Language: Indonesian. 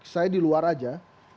saya di luar aja